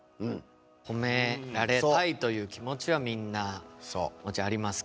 褒められたいという気持ちはみんなもちろんありますけど。